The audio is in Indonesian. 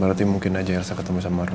berarti mungkin aja elsa ketemu sama roy